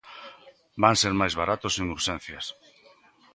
Van ser máis baratos en urxencias?